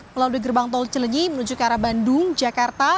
melalui gerbang tol celenyi menuju ke arah bandung jakarta dan juga sekitarnya